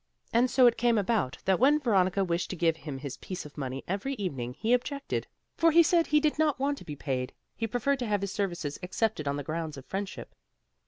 And so it came about that when Veronica wished to give him his piece of money every evening he objected; for he said he did not want to be paid; he preferred to have his services accepted on the ground of friendship.